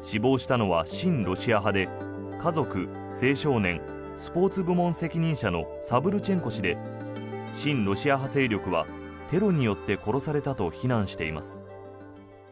死亡したのは、親ロシア派で家族・青少年・スポーツ部門責任者のサブルチェンコ氏で親ロシア派勢力はテロによって殺されたと非難しています。